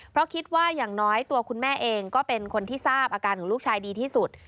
เพราะคิดว่าอย่างน้อยตัวคุณแม่เองก็เป็นคนที่ทราบอาการของลูกชายดีที่สุด